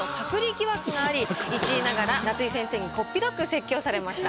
１位ながら夏井先生にこっぴどく説教されました。